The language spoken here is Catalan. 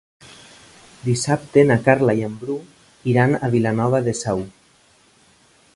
Dissabte na Carla i en Bru iran a Vilanova de Sau.